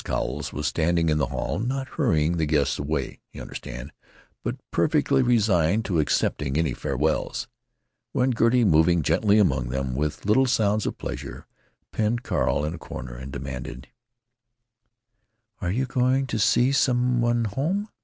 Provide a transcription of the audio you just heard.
Cowles was standing in the hall—not hurrying the guests away, you understand, but perfectly resigned to accepting any farewells—when Gertie, moving gently among them with little sounds of pleasure, penned Carl in a corner and demanded: "Are you going to see some one home?